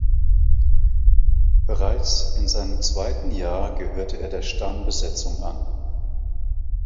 Bereits in seinem zweiten Jahr gehörte er der Stammbesetzung an.